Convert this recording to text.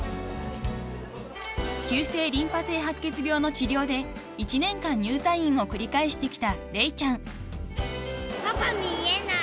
［急性リンパ性白血病の治療で１年間入退院を繰り返してきた怜ちゃん］パパ見えない。